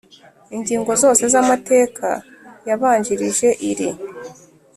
Ingingo zose z’amateka yabanjirije iri.